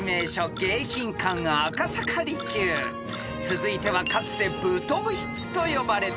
［続いてはかつて舞踏室と呼ばれた］